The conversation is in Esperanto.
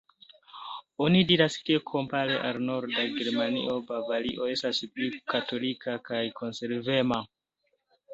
Oni diras, ke kompare al norda Germanio, Bavario estas pli katolika kaj konservema.